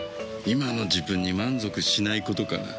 今の自分に満足しないことかな。